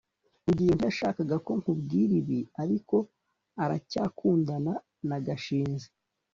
rugeyo ntiyashakaga ko nkubwira ibi, ariko aracyakundana na gashinzi